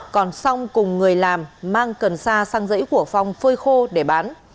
còn song cùng người làm mang cần sa sang rẫy của phong phơi khô để bán